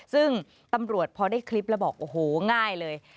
ซึ่งตำรวจพอได้คลิปแล้วบอกโอ้โหง่ายเลย